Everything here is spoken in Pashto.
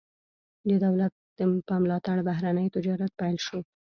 د دولت په ملاتړ بهرنی تجارت پیل شو.